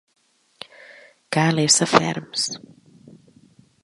Cal ésser ferms.